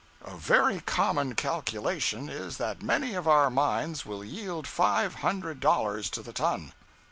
A very common calculation is that many of our mines will yield five hundred dollars to the ton.